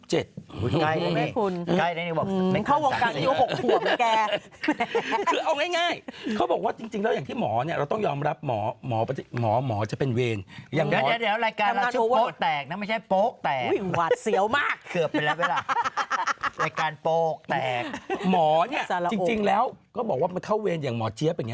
หมอเนี้ยจริงจริงแล้วก็บอกว่ามันเข้าเวรเหมือนเหมือนเจ๊บอย่างเงี้ย